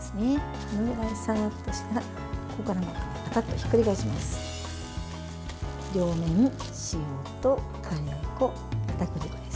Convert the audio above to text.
このぐらいサーッとしたらここからパタッとひっくり返します。